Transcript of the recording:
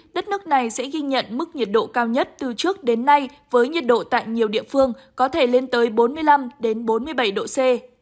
đất nước này sẽ ghi nhận mức nhiệt độ cao nhất từ trước đến nay với nhiệt độ tại nhiều địa phương có thể lên tới bốn mươi năm bốn mươi bảy độ c